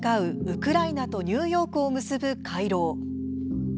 ウクライナとニューヨークを結ぶ回廊。